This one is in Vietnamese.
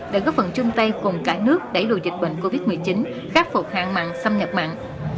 để góp phần chung tay cùng cả nước đẩy lùi dịch bệnh covid một mươi chín khắc phục hạn mặn xâm nhập mặn